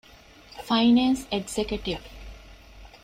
ފައިނޭންސް އެގްޒެކެޓިވް